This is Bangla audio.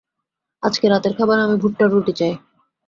আজকে রাতের খাবারে আমি ভুট্টার রুটি চাই!